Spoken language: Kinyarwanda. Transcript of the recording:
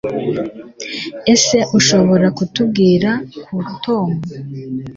ese ushobora kutubwira ku tom